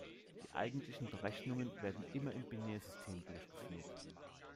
Die eigentlichen Berechnungen werden immer im Binärsystem durchgeführt.